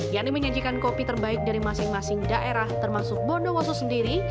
yang menyajikan kopi terbaik dari masing masing daerah termasuk bondowoso sendiri